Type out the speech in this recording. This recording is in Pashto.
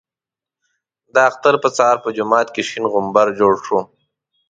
د اختر په سهار په جومات کې شین غومبر جوړ شو.